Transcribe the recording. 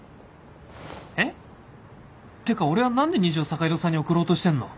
え⁉てか俺は何で虹を坂井戸さんに送ろうとしてんの？